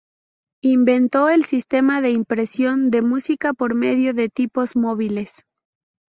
Inventó el sistema de impresión de música por medio de tipos móviles.